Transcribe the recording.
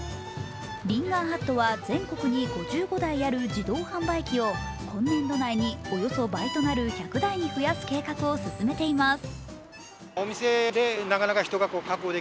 リンガーハットは全国に５５台ある自動販売機を今年度中におよそ倍の１００台となる計画を進めています。